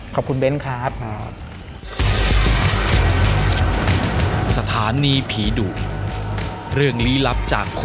ขอบคุณเบ้นครับ